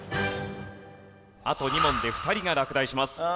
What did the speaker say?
あと２問で２人が落第します。